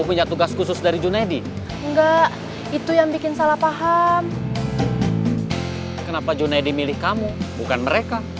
kenapa jurnalnya dimilih kamu bukan mereka